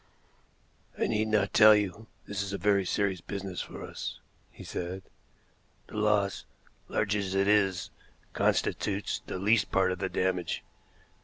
"I need not tell you that this is a very serious business for us," he said. "The loss, large as it is, constitutes the least part of the damage.